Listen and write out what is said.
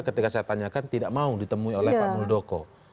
ketika saya tanyakan tidak mau ditemui oleh pak muldoko